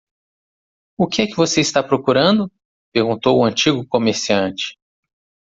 "O que é que você está procurando?" perguntou o antigo comerciante.